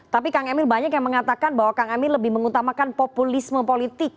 tapi kang emil banyak yang mengatakan bahwa kang emil lebih mengutamakan populisme politik